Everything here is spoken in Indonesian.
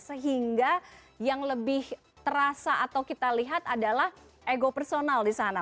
sehingga yang lebih terasa atau kita lihat adalah ego personal di sana